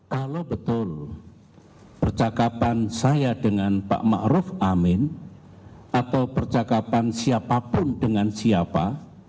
kalau betul percakapan saya dengan pak ma'ruf amin atau percakapan siapapun dengan siapa